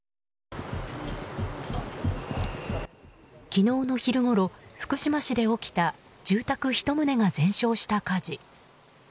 昨日の昼ごろ、福島市で起きた住宅１棟が全焼した火事。